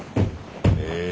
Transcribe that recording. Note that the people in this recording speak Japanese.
へえ。